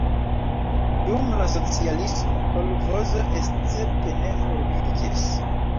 Dum la socialismo kolĥozo escepte ne formiĝis.